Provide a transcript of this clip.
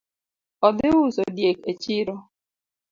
Odhi uso diek e chiro